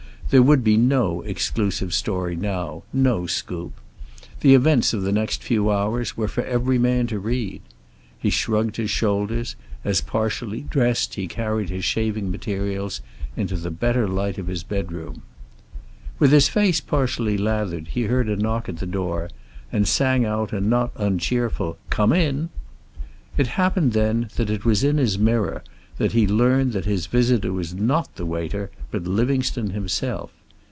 There would be no exclusive story now, no scoop. The events of the next few hours were for every man to read. He shrugged his shoulders as, partially dressed, he carried his shaving materials into the better light of his bedroom. With his face partially lathered he heard a knock at the door, and sang out a not uncheerful "Come in." It happened, then, that it was in his mirror that he learned that his visitor was not the waiter, but Livingstone himself.